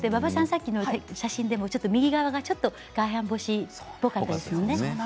さっきの写真でも右側がちょっと外反ぼしっぽかったですね。